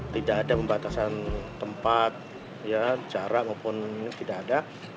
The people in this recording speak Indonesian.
tidak ada pembatasan tempat jarak maupun tidak ada